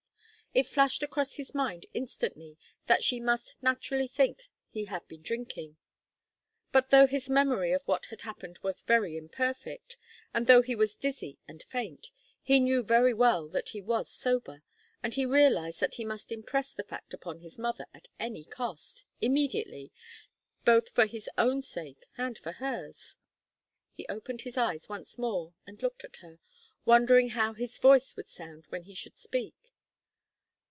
It flashed across his mind instantly that she must naturally think he had been drinking. But though his memory of what had happened was very imperfect, and though he was dizzy and faint, he knew very well that he was sober, and he realized that he must impress the fact upon his mother at any cost, immediately, both for his own sake and for hers. He opened his eyes once more and looked at her, wondering how his voice would sound when he should speak.